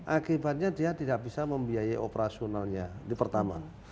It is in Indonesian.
akibatnya dia tidak bisa membiayai operasionalnya di pertama